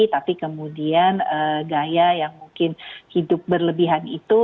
tapi kemudian gaya yang mungkin hidup berlebihan itu